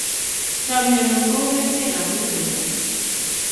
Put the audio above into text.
Chamyengung ko u kerichrk ap muguleldo